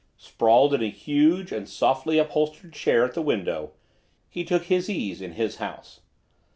Sprawled in a huge and softly upholstered chair at the window, he took his ease in his house.